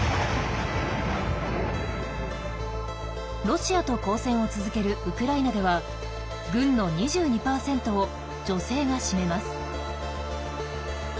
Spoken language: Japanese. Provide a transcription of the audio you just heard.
ロシアと交戦を続けるウクライナでは軍の２２％を女性が占めます。